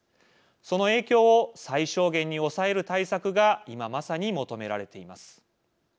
その影響を最小限に抑える対策が今まさに求められています。